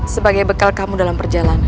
sebagai bekal kamu dalam perjalanan